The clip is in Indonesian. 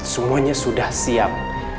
semuanya sudah siap